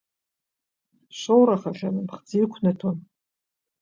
Шоурахахьан, аԥхӡы иқәнаҭәон.